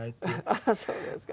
ああそうですか。